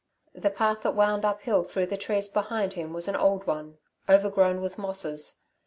The path that wound uphill through the trees behind him was an old one, overgrown with mosses.